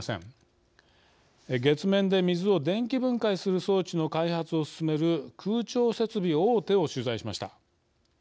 月面で水を電気分解する装置の開発を進める空調設備大手を取材しました。